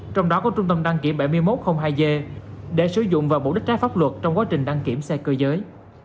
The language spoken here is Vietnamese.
trong đó có trung tâm đăng kiểm bảy nghìn một trăm linh hai g để sử dụng và mục đích trái pháp luật trong quá trình đăng kiểm xe cơ giới